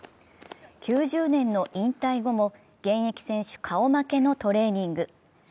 ９０年の引退後も現役選手顔負けのトレーニング。